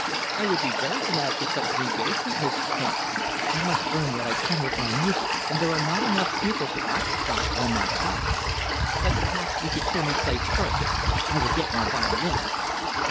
"I would be very glad for such an engagement, Mrs. Taine. I must earn what I can with my music, and there are not enough pupils to occupy all my time. But perhaps you should hear me play, first. I will get my violin."